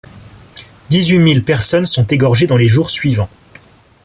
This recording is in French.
Dix-huit mille personnes sont égorgées dans les jours suivants.